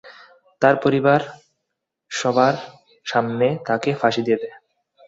তার পরিবার সবার সামনে তাকে ফাঁসি দিয়ে দেয়।